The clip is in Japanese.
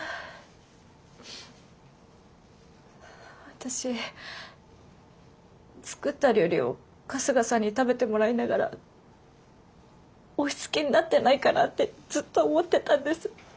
私作った料理を春日さんに食べてもらいながら押しつけになってないかなってずっと思ってたんです。